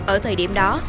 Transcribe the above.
ở thời điểm đó